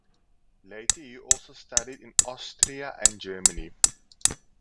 Later he also studied in Austria and Germany.